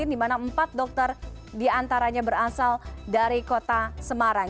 di mana empat dokter diantaranya berasal dari kota semarang